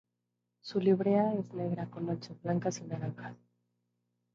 Su librea es negra con manchas blancas y naranjas.